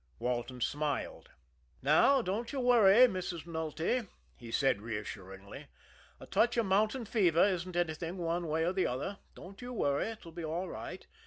Walton smiled. "Now, don't you worry, Mrs. Nulty," he said reassuringly. "A touch of mountain fever isn't anything one way or the other don't you worry, it'll be all right.